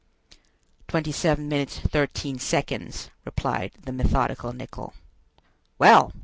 "Twenty six minutes thirteen seconds," replied the methodical Nicholl. "Well!"